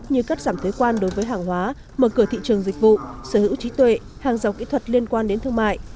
như cắt giảm thuế quan đối với hàng hóa mở cửa thị trường dịch vụ sở hữu trí tuệ hàng rào kỹ thuật liên quan đến thương mại